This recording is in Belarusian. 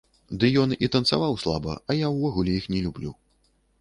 Ды ён і танцаваў слаба, а я ўвогуле іх не люблю.